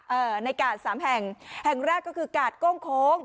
ในกาดสามแห่งแห่งแรกก็คือกาดโก้งโค้ง